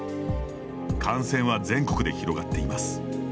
感染は全国で広がっています。